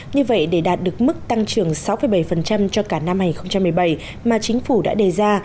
như vậy để đạt được mức tăng trưởng sáu bảy cho cả năm hai nghìn một mươi bảy mà chính phủ đã đề ra